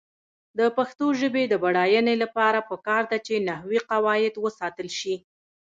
د پښتو ژبې د بډاینې لپاره پکار ده چې نحوي قواعد وساتل شي.